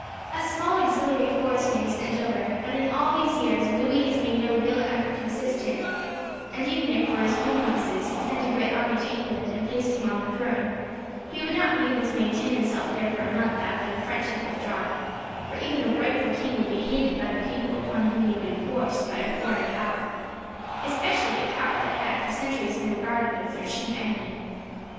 A small auxiliary force may be sent over, but, in all these years, Louis has made no real effort to assist him; and even if, for his own purposes, he sent a great army to England, and placed him on the throne, he would not be able to maintain himself there for a month after the French had withdrawn, for even a rightful king would be hated by the people upon whom he had been forced, by a foreign power, especially a power that had, for centuries, been regarded as their chief enemy.